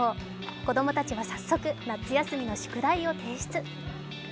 子供たちは早速、夏休みの宿題を提出。